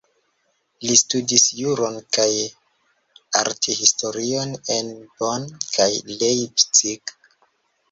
Li studis juron kaj arthistorion en Bonn kaj Leipzig.